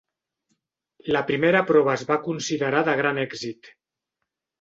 La primera prova es va considerar de gran èxit.